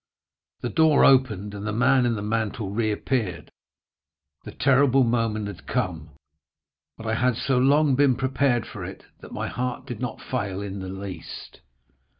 The door opened, and the man in the mantle reappeared. "The terrible moment had come, but I had so long been prepared for it that my heart did not fail in the least.